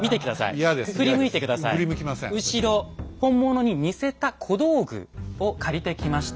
本物に似せた小道具を借りてきました。